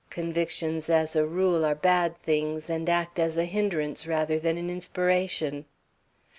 Convictions as a rule are bad things, and act as a hindrance rather than an inspiration."